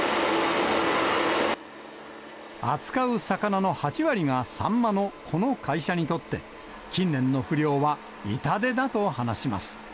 扱う魚の８割がサンマのこの会社にとって、近年の不漁は痛手だと話します。